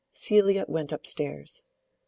Celia went up stairs. Mr.